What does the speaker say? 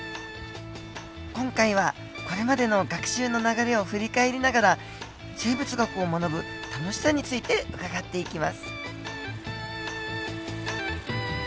今回はこれまでの学習の流れを振り返りながら生物学を学ぶ楽しさについて伺っていきます。